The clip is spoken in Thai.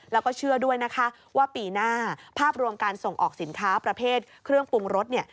แล้วก็เชื่อด้วยนะคะว่าปีหน้าภาพรวมการส่งออกสินค้าประเภทเครื่องปรุงรสเนี่ย